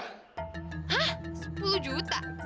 hah sepuluh juta